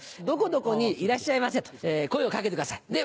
どこどこにいらっしゃいませ」と声を掛けてください。